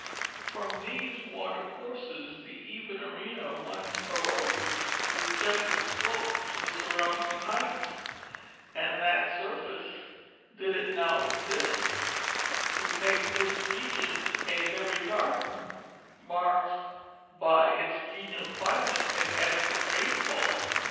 From these water courses the even arena once arose with gentle slope to the surrounding heights and that surface, did it now exist, would make this region a very garden, marked by its genial climate and adequate rainfall.